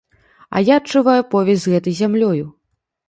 А я адчуваю повязь з гэтай зямлёю.